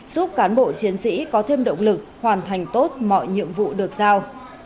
giúp cán bộ chiến sĩ có thêm động lực hoàn thành tốt mọi nhiệm vụ được giao